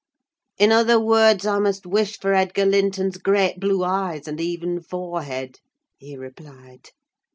"In other words, I must wish for Edgar Linton's great blue eyes and even forehead," he replied.